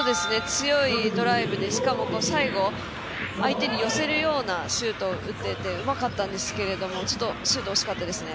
強いドライブでしかも最後相手に寄せるようなシュートを打っていて、うまかったんですけどちょっと、シュート惜しかったですね。